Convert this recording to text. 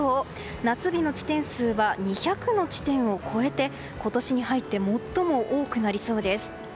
夏日の地点数は２００の地点を超えて今年に入って最も多くなりそうです。